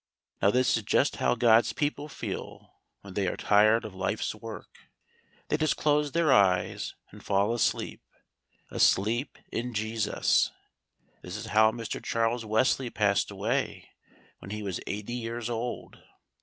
Now this is just how God's people feel when they are tired of life's work, they just close their eyes and fall asleep, "asleep in Jesus." This is how Mr. Charles Wesley passed away when he was eighty years old.